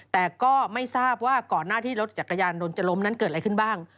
แต่ก็ไม่ทราบว่าก่อนหน้าที่รถจักรยานยนต์จะล้มนั้นเกิดอะไรขึ้นบ้าง